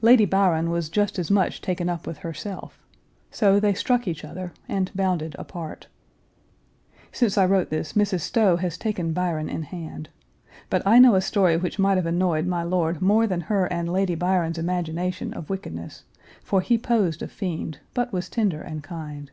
Lady Byron was just as much taken up with herself. So, they struck each other, and bounded apart. [Since I wrote this, Mrs. Stowe has taken Byron in hand. But I know a story which might have annoyed my lord more than her and Lady Byron's imagination of wickedness for he posed a fiend, but was tender and kind.